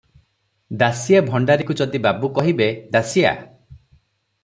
ଦାସିଆ ଭଣ୍ଡାରିକୁ ଯଦି ବାବୁ କହିବେ, 'ଦାସିଆ!